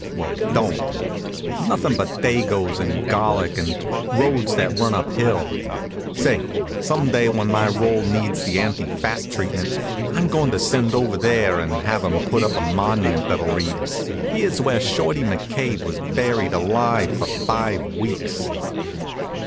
Well, don't. Nothin' but dagoes and garlic and roads that run up hill. Say, some day when my roll needs the anti fat treatment, I'm goin' to send over there and have 'em put a monument that'll read: "Here's where Shorty McCabe was buried alive for five weeks."